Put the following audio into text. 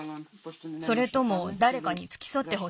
それともだれかにつきそってほしい？